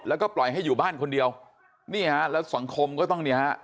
แล้วก็ปล่อยให้อยู่บ้านคนเดียวนี่ฮะแล้วสังคมก็ต้องเนี่ยฮะ